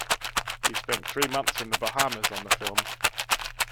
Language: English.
He spent three months in the Bahamas on the film.